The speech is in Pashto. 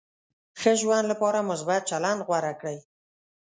ښه ژوند لپاره مثبت چلند غوره کړئ.